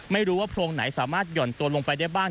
ไม่รู้ว่าโพรงไหนสามารถห่อนตัวลงไปได้บ้าง